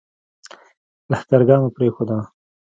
لښکرګاه مو پرېښوده.